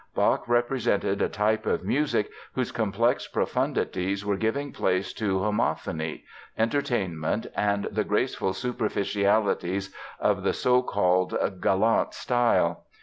Bach represented a type of music whose complex profundities were giving place to homophony, entertainment and the graceful superficialities of the so called "gallant style."